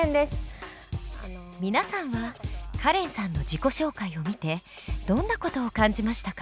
皆さんはカレンさんの自己紹介を見てどんな事を感じましたか？